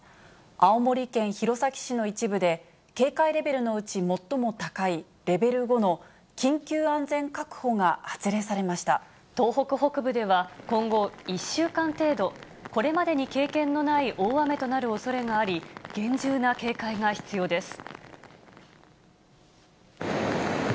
青森県弘前市の一部で、警戒レベルのうち最も高い、レベル５の緊急安全確保が発令さ東北北部では、今後１週間程度、これまでに経験のない大雨となるおそれがあり、厳重な警戒が必要です。